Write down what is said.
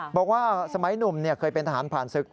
บอกว่าสมัยหนุ่มเคยเป็นทหารผ่านศึก